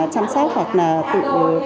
chăm sóc hoặc là tự